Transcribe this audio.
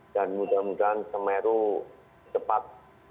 dan mudah mudahan kemeru cepat